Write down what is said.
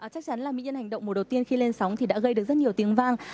chắc chắn là bệnh nhân hành động mùa đầu tiên khi lên sóng thì đã gây được rất nhiều tiếng vang